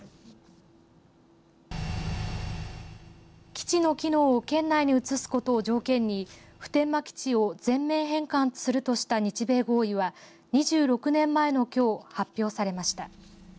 基地の機能を県内に移すことを条件に普天間基地を全面返還するとした日米合意は２６年前のきょう発表されました。